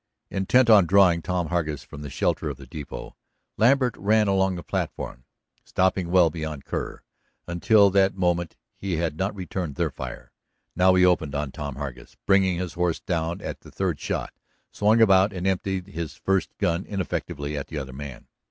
Intent on drawing Tom Hargus from the shelter of the depot, Lambert ran along the platform, stopping well beyond Kerr. Until that moment he had not returned their fire. Now he opened on Tom Hargus, bringing his horse down at the third shot, swung about and emptied his first gun ineffectually at the other man.